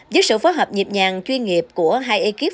với sự phối hợp nhịp nhàng chuyên nghiệp của hai ekip